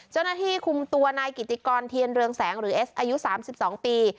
เจ้าหน้าที่คุมตัวนายกิติกรเทียนเรืองแสงหรือเอสอายุ๓๒ปี